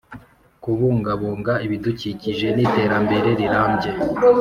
kubungabunga ibidukikije n’iterambere rirambye.